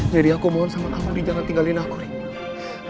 riri aku mohon sama tanti jangan tinggalin aku riri